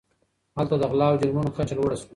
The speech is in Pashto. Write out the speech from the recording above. هلته د غلا او جرمونو کچه لوړه سوه.